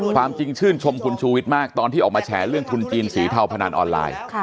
ความจริงชื่นชมคุณชูวิทย์มากตอนที่ออกมาแฉเรื่องทุนจีนสีเทาพนันออนไลน์